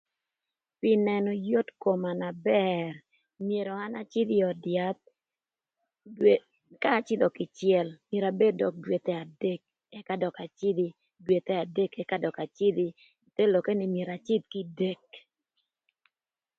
Pï nënö yot koma na bër myero an acïdh ï öd yath dwe k'acïdhö kïcël myero abed dökï pï dwethe adek ëka dökï acïdhö kinge dwethe adek ëka dökï teloke nï myero acïdh kï dek.